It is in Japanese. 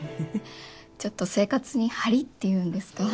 ちょっと生活に張りっていうんですか？